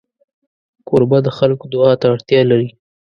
کوربه د خلکو دعا ته اړتیا لري.